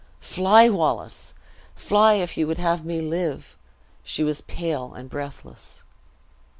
Fly, Wallace, fly if you would have me live!" She was pale and breathless.